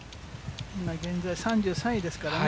現在３３位ですからね。